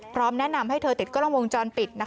พร้อมแนะนำให้เธอติดกล้องวงจรปิด